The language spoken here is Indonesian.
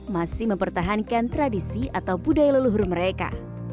masih mempertahankan tradisi atau budaya leluhur mereka